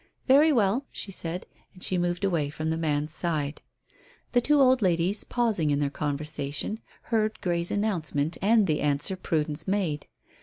"Very well," she said. And she moved away from the man's side. The two old ladies pausing in their conversation heard Grey's announcement and the answer Prudence made.